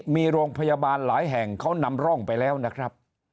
มีโรงพยาบาลหลายแห่งเขานำร่องไปแล้วนะครับ